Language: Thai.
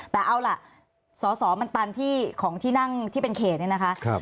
แต่เอาล่ะสอสอมันตันที่ของที่นั่งที่เป็นเขตเนี่ยนะคะ